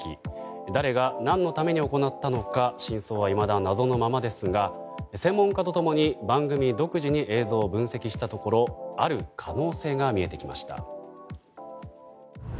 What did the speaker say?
誰が何のために行ったのか真相はいまだ謎のままですが専門家と共に番組独自に映像を分析したところある可能性が見えてきました。